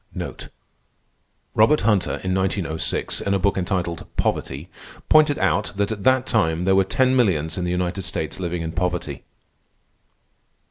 Robert Hunter, in 1906, in a book entitled "Poverty," pointed out that at that time there were ten millions in the United States living in poverty.